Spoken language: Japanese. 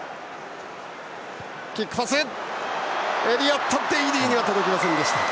エリオット・デイリーに届きませんでした。